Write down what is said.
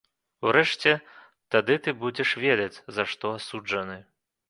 Урэшце, тады ты будзеш ведаць, за што асуджаны.